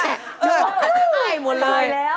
เออการไส้หมดเลยเออเออทายแล้วลูก